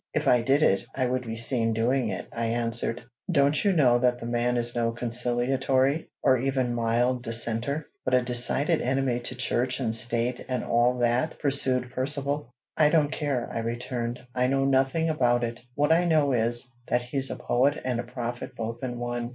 "If I did it, I would be seen doing it," I answered. "Don't you know that the man is no conciliatory, or even mild dissenter, but a decided enemy to Church and State and all that?" pursued Percivale. "I don't care," I returned. "I know nothing about it. What I know is, that he's a poet and a prophet both in one.